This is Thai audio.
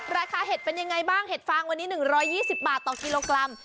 เห็ดเป็นยังไงบ้างเห็ดฟางวันนี้๑๒๐บาทต่อกิโลกรัม